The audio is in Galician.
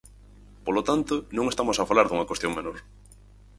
Polo tanto, non estamos a falar dunha cuestión menor.